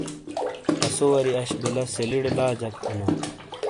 اسو واری اش بِیلہ سیلیڑے لا جک اینا۔